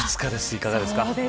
いかがですか。